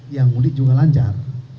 yang mudik juga lancar